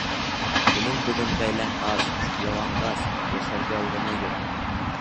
Һинең бөгөн ғаиләң ас, яланғас, йәшәргә урыны юҡ!